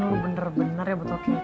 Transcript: lu bener bener ya betul kecap